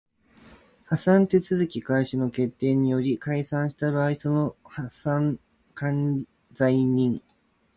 破産手続開始の決定により解散した場合その破産管財人